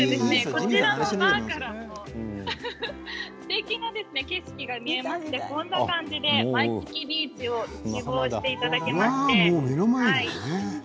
こちらのバーからもすてきな景色が見えましてこんな感じでワイキキビーチを一望してもらいまして